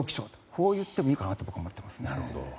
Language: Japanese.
こう言ってもいいかなと思っています。